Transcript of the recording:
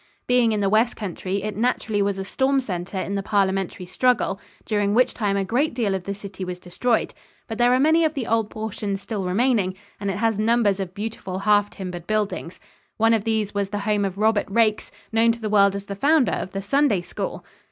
Being in the west country, it naturally was a storm center in the parliamentary struggle, during which time a great deal of the city was destroyed. But there are many of the old portions still remaining and it has numbers of beautiful half timbered buildings. One of these was the home of Robert Raikes, known to the world as the founder of the Sunday School.